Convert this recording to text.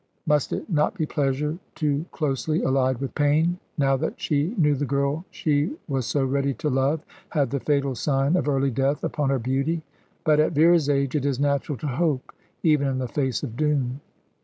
Must it not be pleasure too closely allied with pain, now that she knew the girl she was so ready to love had the fatal sign of early death upon her beauty? But at Vera's age it is natural to hope even in the face of doom.